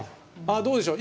どうでしょう。